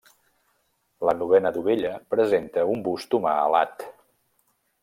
La novena dovella presenta un bust humà alat.